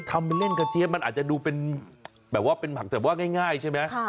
ทำเล่นกระเจี๊ยบมันอาจจะดูเป็นแบบว่าเป็นผักแต่ว่าง่ายใช่ไหม